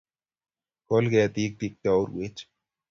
Koen ketik, tektoi urwet